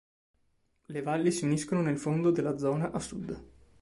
Le valli si uniscono nel fondo della zona a sud.